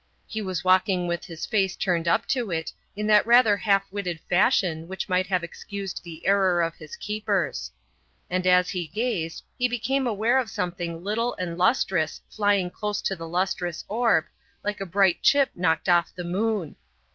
He was walking with his face turned up to it in that rather half witted fashion which might have excused the error of his keepers; and as he gazed he became aware of something little and lustrous flying close to the lustrous orb, like a bright chip knocked off the moon.